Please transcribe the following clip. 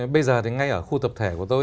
bây giờ thì ngay ở khu tập thể của tôi